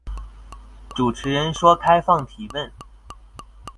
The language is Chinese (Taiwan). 主持人說開放提問